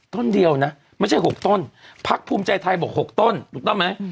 ต้นเดียวนะไม่ใช่๖ต้นพักภูมิใจไทยบอก๖ต้นถูกต้องไหม